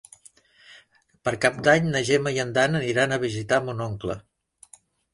Per Cap d'Any na Gemma i en Dan aniran a visitar mon oncle.